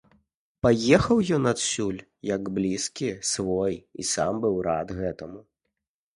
Паехаў ён адсюль, як блізкі свой, і сам быў рад гэтаму.